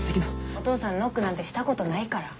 お父さんノックなんてしたことないから。